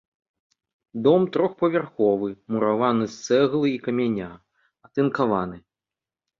Дом трохпавярховы, мураваны з цэглы і каменя, атынкаваны.